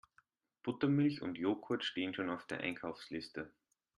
Buttermilch und Jogurt stehen schon auf der Einkaufsliste.